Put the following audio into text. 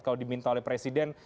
kalau diminta oleh presiden